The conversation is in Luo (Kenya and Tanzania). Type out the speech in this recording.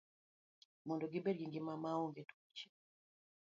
Mondo gibed gi ngima maonge tuoche.